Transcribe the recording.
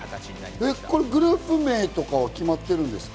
グループ名とかは決まってるんですか？